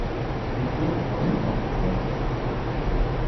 He blew across the top of the milk bottle